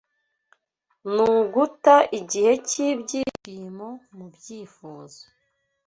Nuguta igihe cyibyishimo mubyifuzo